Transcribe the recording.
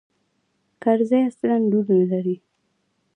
کرزى اصلاً لور نه لري.